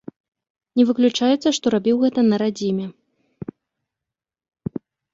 Не выключаецца, што рабіў гэта на радзіме.